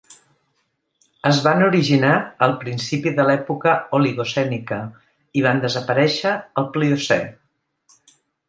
Es van originar al principi de l'època oligocènica i van desaparèixer al pliocè.